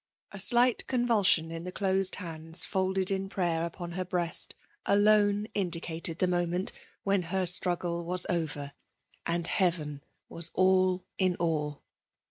A slight convulsion in the closed hands folded in prayer upon her breast, alone indicated the moment when her struggle was over, and Heaven was all in all